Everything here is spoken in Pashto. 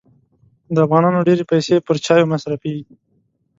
د افغانانو ډېري پیسې پر چایو مصرفېږي.